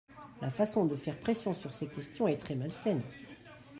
La façon de faire pression sur ces questions est très malsaine.